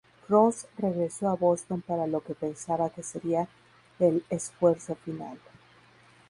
Ross regresó a Boston para lo que pensaba que sería el esfuerzo final.